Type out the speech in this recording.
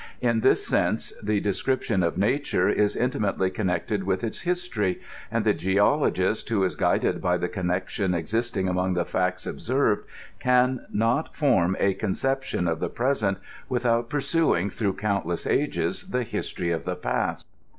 In this sense the description of nature is inti mately connected with its history ; and the geologist, who is guided by the connection existing among the facts observed* can not form a conception of the present without pursuing, through countless ages, the history of the past.